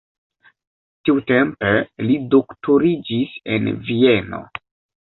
Tiutempe li doktoriĝis en Vieno.